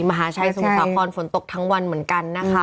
มหาชัยศูนย์ทางคล้อนฝนตกทั้งวันเหมือนกันนะคะ